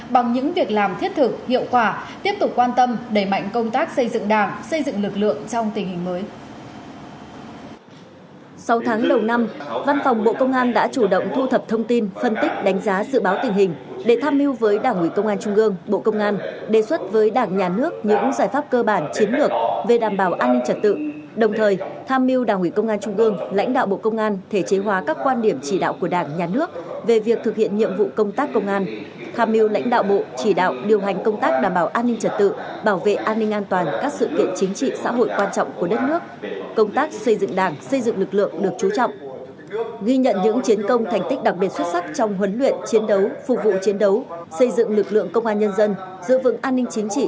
bằng những việc làm thiết thực hiệu quả tiếp tục quan tâm đẩy mạnh công tác xây dựng đảng xây dựng lực lượng trong tình hình mới